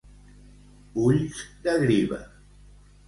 Ulls de griva.